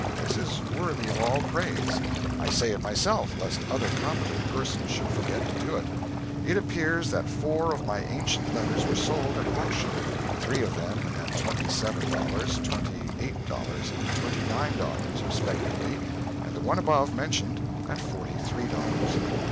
This is worthy of all praise. I say it myself lest other competent persons should forget to do it. It appears that four of my ancient letters were sold at auction, three of them at twenty seven dollars, twenty eight dollars, and twenty nine dollars respectively, and the one above mentioned at forty three dollars.